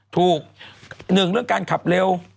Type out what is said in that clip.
ถูก๑เรื่องการขับเร็ว